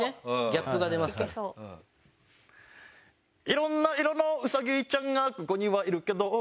「色んな色のうさぎちゃんがここにはいるけど」